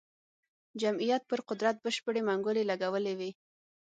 جمعیت پر قدرت بشپړې منګولې لګولې وې.